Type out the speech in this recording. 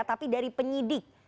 tapi dari penyidik